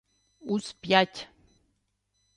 — У сп'ять!